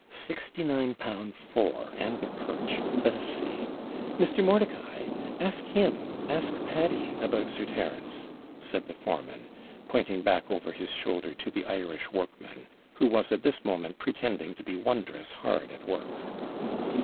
Sixty nine pound four, and the perch. Let us see Mr. Mordicai, ask him, ask Paddy, about Sir Terence,' said the foreman, pointing back over his shoulder to the Irish workman, who was at this moment pretending to be wondrous hard at work.